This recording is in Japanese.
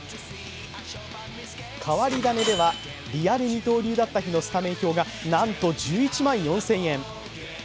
変わり種では、リアル二刀流だった日のスタメン表がなんと１１万４０００円。